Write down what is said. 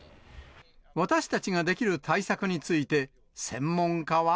私たちができる対策について、専門家は。